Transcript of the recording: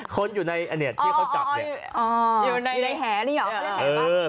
คนอยู่ในที่เขาจับเนี่ยอยู่ในแหนี่หรอ